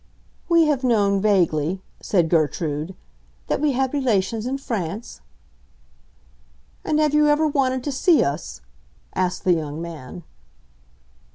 "We have known, vaguely," said Gertrude, "that we had relations in France." "And have you ever wanted to see us?" asked the young man.